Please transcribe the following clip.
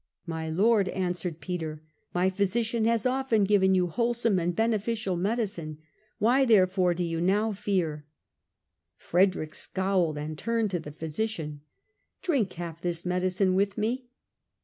" My Lord," answered Peter, " my physician has often given you wholesome and beneficial medicine ; why, therefore, do you now fear ?" Frederick scowled and turned to the physician. " Drink half this medicine with me."